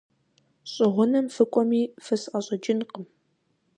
ЩӀы гъунэм фыкӀуэми, фысӀэщӀэкӀынкъым.